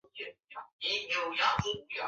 出生于官僚世家河东柳氏东眷。